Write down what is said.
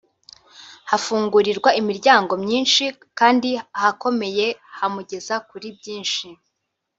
gufungurirwa imiryango myinshi kandi ahakomeye hamugeza kuri byinshi